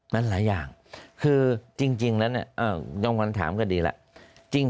มันหลายอย่างคือจริงแล้วเนี่ยจองขวัญถามก็ดีแล้ว